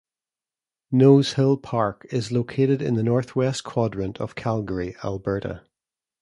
Nose Hill Park is located in the northwest quadrant of Calgary, Alberta.